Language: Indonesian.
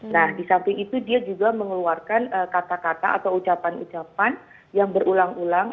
nah di samping itu dia juga mengeluarkan kata kata atau ucapan ucapan yang berulang ulang